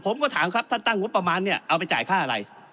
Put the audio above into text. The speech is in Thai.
ผมก็ถามครับท่านตั้งงบประมาณเนี่ยเอาไปจ่ายค่าอะไร